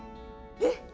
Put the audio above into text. えっ！